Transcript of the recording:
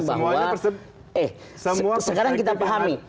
bahwa eh sekarang kita pahami